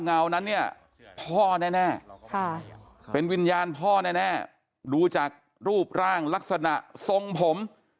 เงานั้นเนี่ยพ่อแน่เป็นวิญญาณพ่อแน่ดูจากรูปร่างลักษณะทรงผม